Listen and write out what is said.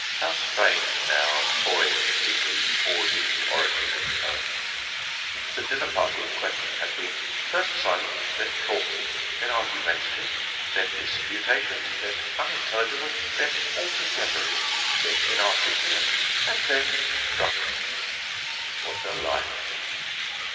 How strange now and boyish seem these orgies of orators and poets ! The dinner party in question had been * first silent, then talky, then argumentative, then disputatious, then unintelligible, then alto gethery, then inarticulate, and then drunk.' What a life!